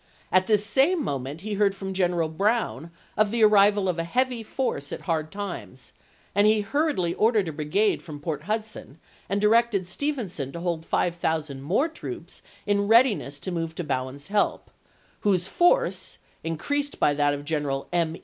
1 At this same mo ment he heard from General Bowen of the arrival of a heavy force at Hard Times, and he hurriedly ordered a brigade from Port Hudson and directed Stevenson to hold 5000 more troops in readiness to move to Bowen's help, whose force, increased by that of General M.